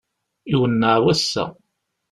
Iwenneɛ wass-a!